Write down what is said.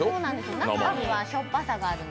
中にはしょっぱさがあるので。